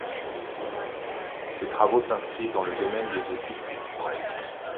Ses travaux s'inscrivent dans le domaine des études culturelles.